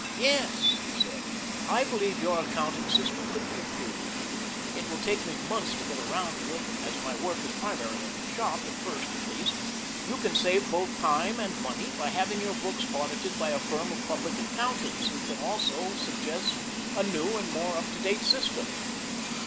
"Yes," he said, "I believe your accounting system could be improved it will take me months to get around to it, as my work is primarily in the shop, at first, at least. You can save both time and money by having your books audited by a firm of public accountants who can also suggest a new and more up to date system."